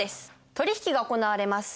取引が行われます。